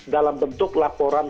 dalam bentuk laporan